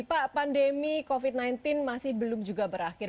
pak pandemi covid sembilan belas masih belum juga berakhir